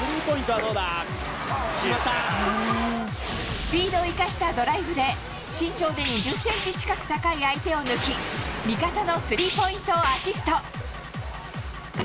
スピードを生かしたドライブで身長で２０ｃｍ近く高い相手を抜き味方のスリーポイントをアシスト。